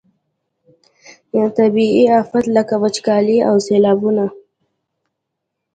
طبیعي آفات لکه وچکالي او سیلابونه.